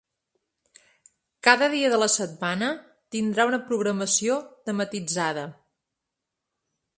Cada dia de la setmana tindrà una programació tematitzada.